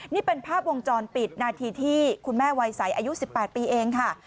นี่เป็นภาพวงจรปิดนาทีที่คุณแม่วัยใสอายุ๑๘ปีเองค่ะ